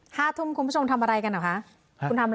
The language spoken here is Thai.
ห้าทุ่มคุณผู้ชมทำอะไรกันเหรอคะ